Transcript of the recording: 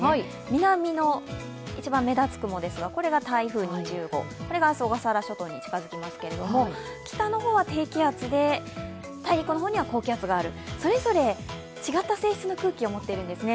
南の一番目立つ雲ですが、これが台風２０号、これが明日小笠原諸島に近づいてきますけど北の方は低気圧で、大陸の方には高気圧があるそれぞれ違った性質の空気を持っているんですね。